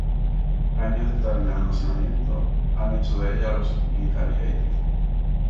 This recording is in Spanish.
Años de estar en el almacenamiento han hecho de ella algo solitaria y triste.